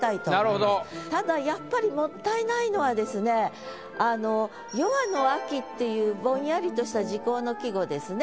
ただやっぱりもったいないのは「夜半の秋」っていうぼんやりとした時候の季語ですね。